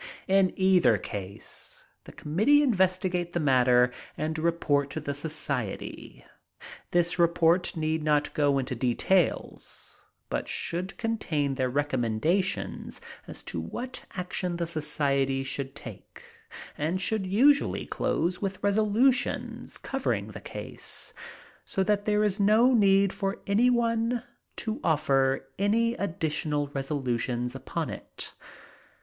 In either case the committee investigate the matter and report to the society. This report need not go into details, but should contain their recommendations as to what action the society should take, and should usually close with resolutions covering the case, so that there is no need for any one to offer any additional resolutions upon it.